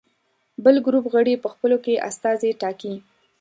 بل ګروپ غړي په خپلو کې استازي ټاکي.